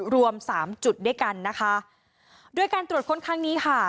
รวมสามจุดด้วยกันนะคะโดยการตรวจค้นครั้งนี้ค่ะ